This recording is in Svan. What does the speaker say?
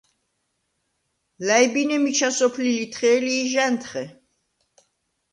ლა̈ჲბინე მიჩა სოფლი ლითხე̄ლი ი ჟ’ა̈ნთხე.